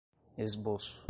esboço